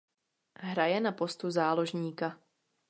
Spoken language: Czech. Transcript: Hraje na postu záložníka.